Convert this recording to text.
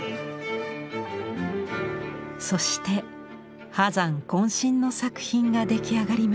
そして波山こん身の作品が出来上がりました。